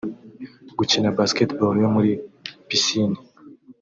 gukina Basketball yo muri piscine